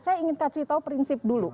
saya ingin kasih tahu prinsip dulu